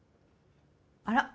あら